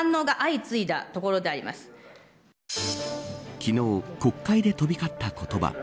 昨日国会で飛び交ったことば。